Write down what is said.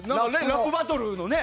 ラップバトルのね。